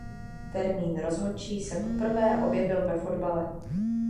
Termín rozhodčí se poprvé objevil ve fotbale.